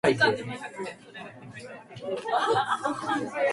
いつまで待てばいいのだろうか。